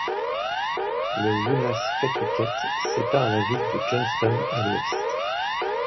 La Woonasquatucket sépare la ville de Johnston à l'ouest.